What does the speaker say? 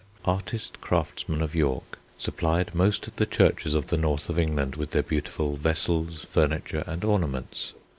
Artist craftsmen of York supplied most of the churches of the north of England with their beautiful vessels, furniture, and ornaments.